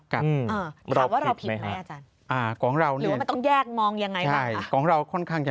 กับว่าเราผิดมั้ยอาจารย์